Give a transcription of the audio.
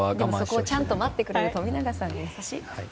そこはちょっと待ってくれる富永さんが優しい。